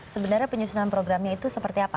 sebenarnya penyusunan programnya itu seperti apa